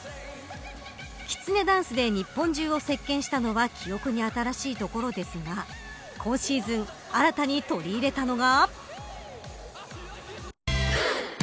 きつねダンスで日本中を席巻したのは記憶に新しいところですが今シーズン新たに取り入れたのが。